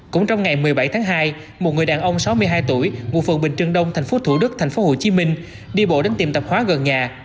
cũng trong ngày một mươi bảy tháng hai một người đàn ông sáu mươi hai tuổi ngụ phường bình trần đông thành phố thủ đức thành phố hồ chí minh đi bộ đến tiệm tạp hóa gần nhà